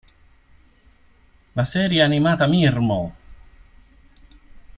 La serie animata Mirmo!!